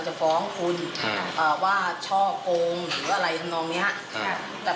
เราก็เลยบอกว่ามาแบบนี้อีกแล้ว